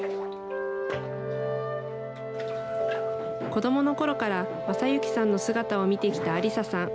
子どものころから正行さんの姿を見てきた安理沙さん。